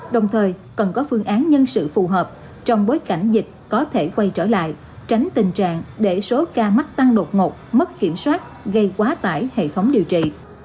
đồng thời cần có phương án nhân sự phù hợp trong bối cảnh dịch có thể quay trở lại tránh tình trạng để số ca mắc tăng đột ngột mất kiểm soát gây quá tải hệ thống điều trị